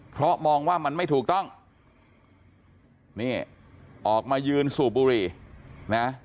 เพราะมองว่ามันไม่ถูกต้องนี่ออกมายืนสูบบุหรี่นะ